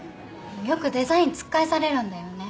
よくデザイン突っ返されるんだよね